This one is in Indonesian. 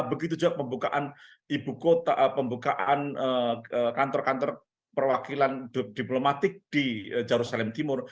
begitu juga pembukaan ibu kota pembukaan kantor kantor perwakilan diplomatik di jerusalem timur